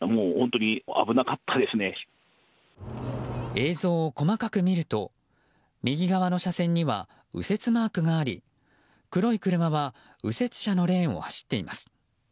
映像を細かく見ると右側の車線には右折マークがあり黒い車は右折車のレーンを走っています。